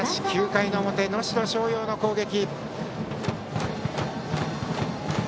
９回の表能代松陽の攻撃。